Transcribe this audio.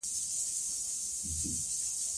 له پروازه وه لوېدلي شهپرونه